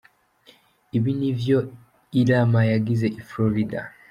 ibi nivyo Irma yagize i Florida.